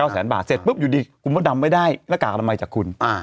แสนบาทเสร็จปุ๊บอยู่ดีคุณมดดำไม่ได้หน้ากากอนามัยจากคุณ